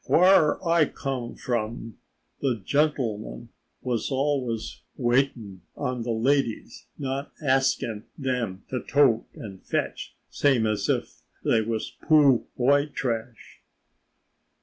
"Whar I cum from the gentlemen was always waitin' on the ladies, not askin' them to tote and fetch, same as if they was poo' white trash."